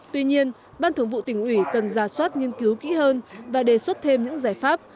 tuy nhiên ban thường vụ tỉnh ủy cần ra soát nghiên cứu kỹ hơn và đề xuất thêm những giải pháp